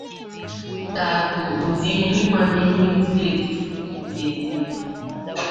Tatu udi muimana muindile difutu diende.